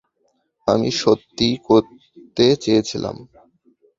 আমি সত্যিই করতে চেয়েছিলাম।